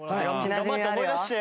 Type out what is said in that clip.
頑張って思い出して。